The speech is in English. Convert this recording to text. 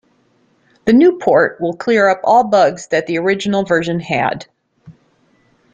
The new port will clear up all bugs that the original version had.